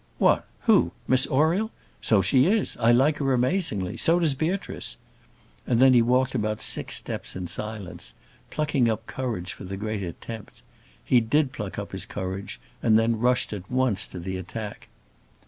"What! who? Miss Oriel? So she is! I like her amazingly; so does Beatrice." And then he walked about six steps in silence, plucking up courage for the great attempt. He did pluck up his courage and then rushed at once to the attack.